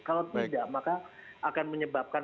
kalau tidak maka akan menyebabkan